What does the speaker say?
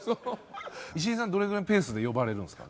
石井さんどれぐらいのペースで呼ばれるんですか？